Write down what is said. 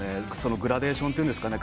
グラデーションというんですかね